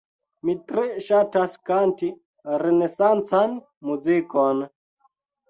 Mi tre ŝatas kanti renesancan muzikon.